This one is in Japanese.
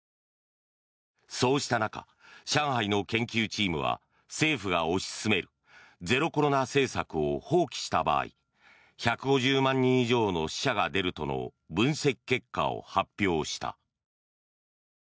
そうした中、上海の研究チームは政府が推し進めるゼロコロナ政策を放棄した場合１５０万人以上の死者が出るとの分析結果を発表した。